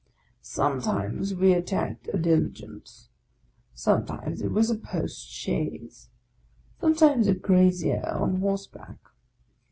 Sometimes we attacked a Dili gence, sometimes it was a post chaise, sometimes a grazier on horseback.